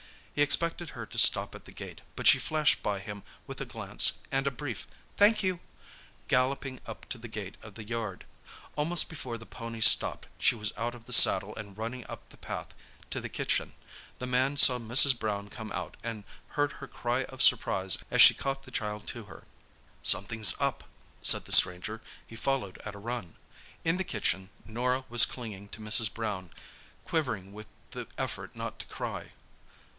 He expected her to stop at the gate, but she flashed by him with a glance and a brief "Thank you," galloping up to the gate of the yard. Almost before the pony stopped she was out of the saddle and running up the path to the kitchen. The man saw Mrs. Brown come out, and heard her cry of surprise as she caught the child to her. "Something's up," said the stranger. He followed at a run. In the kitchen Norah was clinging to Mrs. Brown, quivering with the effort not to cry.